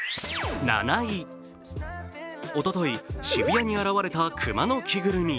おととい、渋谷に現れた熊の着ぐるみ。